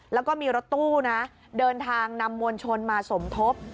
แล้วก็มีรถตู้นะเดินทางนำมวลชนมาสมทบ